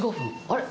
あれ？